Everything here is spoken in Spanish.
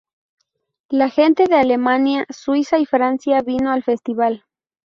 La gente de Alemania, Suiza y Francia vino al festival.